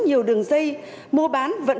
nhiều đường dây mua bán vận